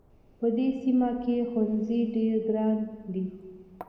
په دې سیمه کې ښوونځی ډېر اړین دی